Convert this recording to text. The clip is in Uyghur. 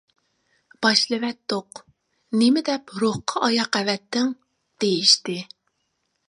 باشلىۋەتتۇق. نېمە دەپ روھقا ئاياق ئەۋەتتىڭ؟ دېيىشتى.